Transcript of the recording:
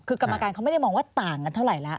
คือกรรมการเขาไม่ได้มองว่าต่างกันเท่าไหร่แล้ว